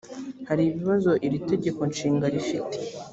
hari ibibazo iri tegeko nshinga rifite